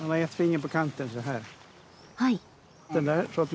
はい。